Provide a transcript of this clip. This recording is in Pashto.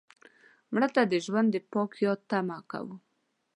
مړه ته د ژوند د پاک یاد تمه کوو